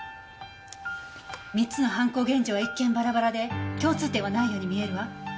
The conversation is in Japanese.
３つの犯行現場は一見バラバラで共通点はないように見えるわ。